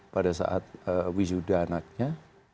pada saat wisudananya